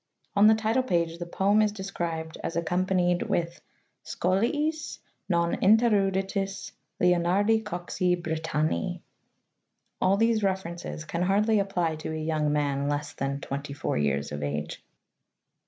On the title page the poem is described as accompanied with "Scholiis non ineruditis Leonard! Coxi Britanni." All these references can hardly apply to a young man less than twenty four years of age.